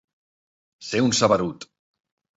Ser un saberut.